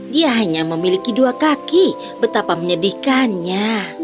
dia hanya memiliki dua kaki betapa menyedihkannya